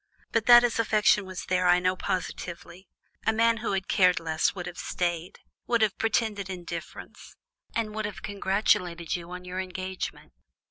But that his affection was there, I know positively. A man who had cared less would have stayed, would have pretended indifference, and would have congratulated you on your engagement."